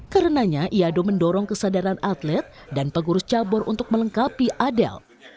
karenanya iado mendorong kesadaran atlet dan pengurus cabur untuk melengkapi adel